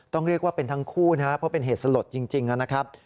ต้องเรียกว่าเป็นทั้งคู่นะครับเพราะเป็นเหตุสลดจริงนะครับ